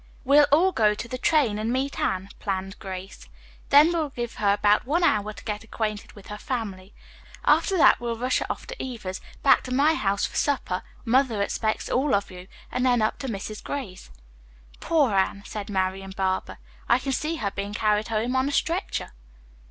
"We'll all go to the train to meet Anne," planned Grace. "Then we'll give her about one hour to get acquainted with her family. After that we'll rush her off to Eva's, back to my house for supper (mother expects all of you), and then up to Mrs. Gray's." "Poor Anne," said Marian Barber, "I can see her being carried home on a stretcher."